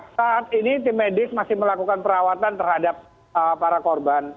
saat ini tim medis masih melakukan perawatan terhadap para korban